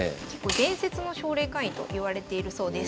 伝説の奨励会員と言われているそうです。